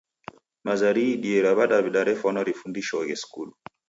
Maza riidie ra w'adawida refwana rifundishoghe skulu.